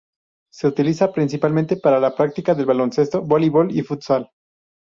Se utiliza principalmente para la práctica del baloncesto, voleibol y futsal.